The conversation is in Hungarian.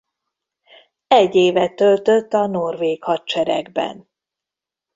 Egy évet töltött a norvég hadseregben.